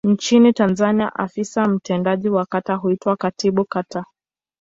Nchini Tanzania afisa mtendaji wa kata huitwa Katibu Kata.